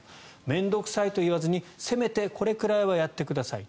面倒臭いといわずにせめてこれぐらいはやってください。